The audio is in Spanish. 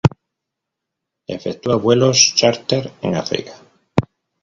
Efectúa vuelos chárter en África.